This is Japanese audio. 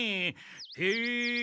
「へえ」。